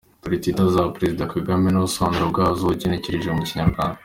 Dore twitter za Perezida Kagame n’ubusobanuro bwazo ugenekereje mu kinyarwanda :